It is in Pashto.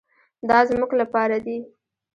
دا زموږ لپاره دي.